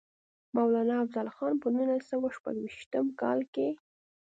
مولانا افضل خان پۀ نولس سوه شپږيشتم کال کښې